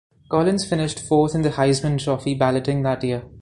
Collins finished fourth in the Heisman Trophy balloting that year.